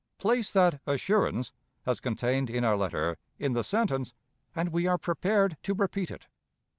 Place that "assurance," as contained in our letter, in the sentence, and we are prepared to repeat it.